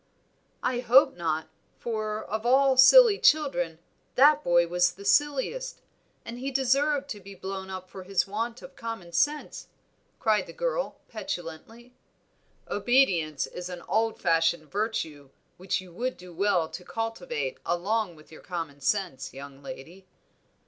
"I hope not, for of all silly children, that boy was the silliest, and he deserved to be blown up for his want of common sense," cried the girl, petulantly. "Obedience is an old fashioned virtue, which you would do well to cultivate along with your common sense, young lady."